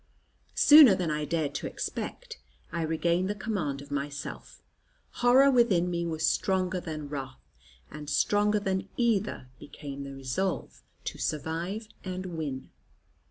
Sooner than I dared to expect, I regained the command of myself; horror within me was stronger than wrath, and stronger than either became the resolve to survive and win.